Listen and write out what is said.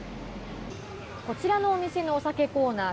こちらのお店のお酒コーナー。